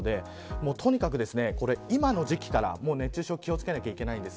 とにかく、今の時期から熱中症に気を付けなければいけません。